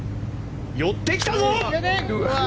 寄ってきたぞ！